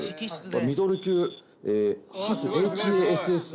ミドル級ＨＡＳＳ